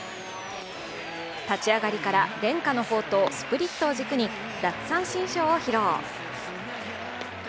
立ち上がりから伝家の宝刀・スプリットを軸に奪三振ショーを披露。